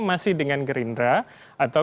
masih dengan gerindra atau